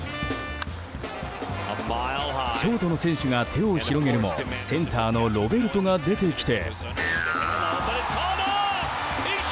ショートの選手が手を広げるもセンターのロベルトが出てきて。